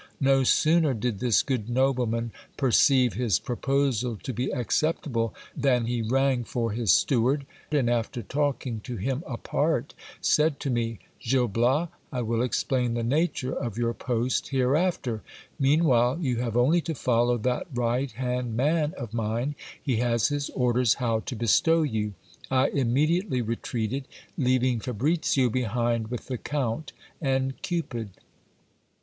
No sooner did this good nobleman per ceive his proposal to be acceptable, then he rang for his steward, and after talking to him apart, said to me : Gil Bias, I will explain the nature of your post hereafter. Meanwhile, you have only to follow that right hand man of mine; he has his ordershow to bestow you. I immediately retreated, leaving Fabricio behind with the Count and Cupid.